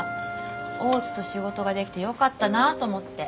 大津と仕事ができて良かったなと思って。